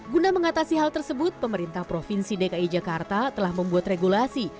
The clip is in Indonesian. guna mengatasi hal tersebut pemerintah provinsi dki jakarta telah membuat regulasi